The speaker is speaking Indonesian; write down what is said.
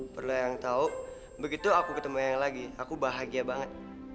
perlu eang tau begitu aku ketemu eang lagi aku bahagia banget